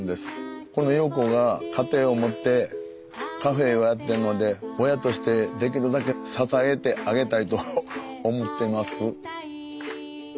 この優子が家庭を持ってカフェをやってるので親としてできるだけ支えてあげたいと思ってます。